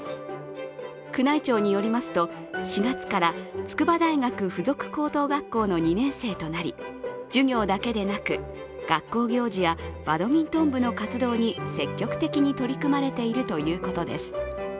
宮内庁によりますと、４月から筑波大学付属高等学校の２年生となり授業だけでなく学校行事やバドミントン部の活動に積極的に取り組まれているということです。